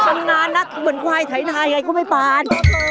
ชำนาญนักเหมือนควายไถนาไงก็ไม่ปาน